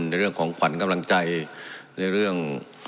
ในเรื่องของขวัญกำลังใจในเรื่อง